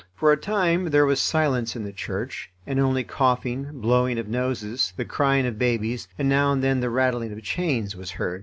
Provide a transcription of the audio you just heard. For a time there was silence in the church, and only coughing, blowing of noses, the crying of babies, and now and then the rattling of chains, was heard.